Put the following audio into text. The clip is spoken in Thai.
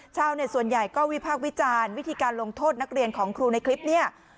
ชาวเน็ตส่วนใหญ่ก็วิพากษ์วิจารณ์วิธีการลงโทษนักเรียนของครูในคลิปเนี่ย